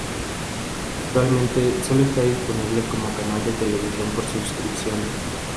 Actualmente, solo está disponible como canal de televisión por suscripción.